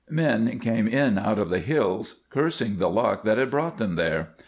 Men came in out of the hills cursing the luck that had brought them there.